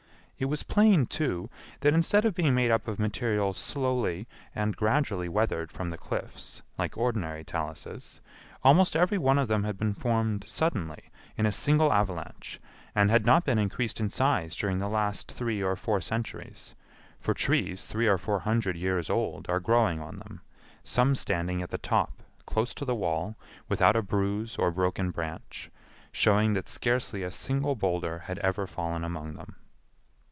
It was plain, too, that instead of being made up of material slowly and gradually weathered from the cliffs like ordinary taluses, almost every one of them had been formed suddenly in a single avalanche, and had not been increased in size during the last three or four centuries, for trees three or four hundred years old are growing on them, some standing at the top close to the wall without a bruise or broken branch, showing that scarcely a single boulder had ever fallen among them.